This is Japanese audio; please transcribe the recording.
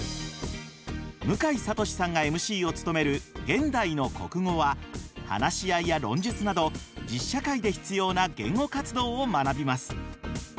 向井慧さんがＭＣを務める「現代の国語」は話し合いや論述など実社会で必要な言語活動を学びます。